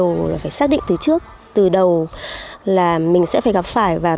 nó là điều phải xác định từ trước từ đầu là mình sẽ phải gặp phải